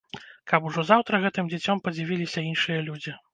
Каб ужо заўтра гэтым дзіцём падзівіліся іншыя людзі.